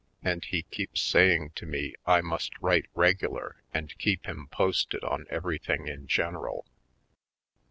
And he keeps saying to me I must write regular and keep him posted on everything in general.